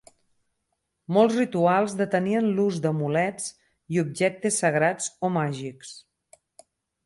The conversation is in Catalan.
Molts rituals detenien l'ús d'amulets i objectes sagrats o màgics.